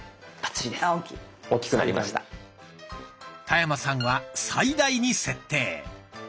田山さんは「最大」に設定。